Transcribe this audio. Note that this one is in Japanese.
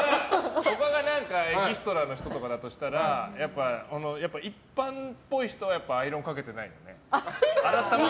他がエキストラの人とかだとしたらやっぱり一般っぽい人はアイロンかけてないもんね。